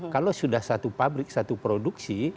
kalau sudah satu pabrik satu produksi